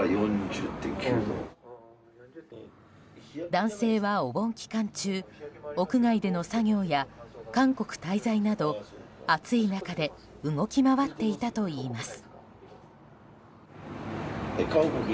男性はお盆期間中屋外での作業や韓国滞在など暑い中で動き回っていたといいます。